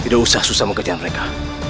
jangan sakiti dia